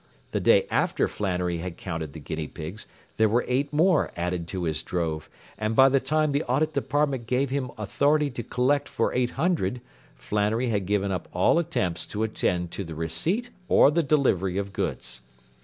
The day after Flannery had counted the guinea pigs there were eight more added to his drove, and by the time the Audit Department gave him authority to collect for eight hundred Flannery had given up all attempts to attend to the receipt or the delivery of goods.